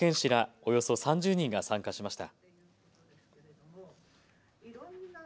およそ３０人が参加しました。